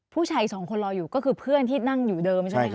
ผู้ชายสองคนรออยู่ก็คือเพื่อนที่นั่งอยู่เดิมใช่ไหมค